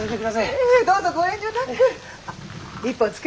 ええどうぞご遠慮なく。